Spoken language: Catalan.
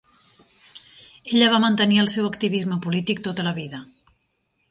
Ella va mantenir el seu activisme polític tota la vida.